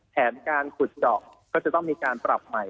แผนการขุดเจาะก็จะต้องมีการปรับใหม่